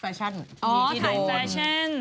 อ๋อถ่ายเฟชชั่น